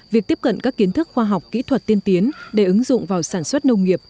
việc tiếp cận các kiến thức khoa học kỹ thuật tiên tiến để ứng dụng vào sản xuất nông nghiệp